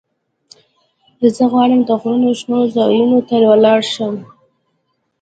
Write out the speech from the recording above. زه غواړم د غرونو شنو ځايونو ته ولاړ شم.